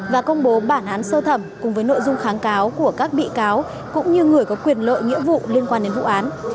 và công bố bản án sơ thẩm cùng với nội dung kháng cáo của các bị cáo cũng như người có quyền lợi nghĩa vụ liên quan đến vụ án